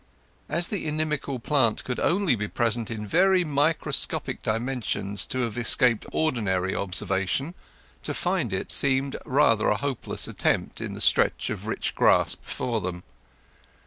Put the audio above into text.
As the inimical plant could only be present in very microscopic dimensions to have escaped ordinary observation, to find it seemed rather a hopeless attempt in the stretch of rich grass before them.